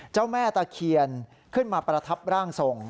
เจ้าแม่ตะเคียนขึ้นมาประทับร่างทรง